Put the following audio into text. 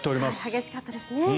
激しかったですね。